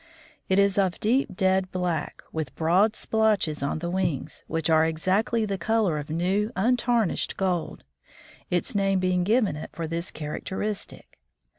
It is of deep dead black, with broad splotches on the wings, which are exactly the color of new, untarnished gold, its name being given it for this characteristic.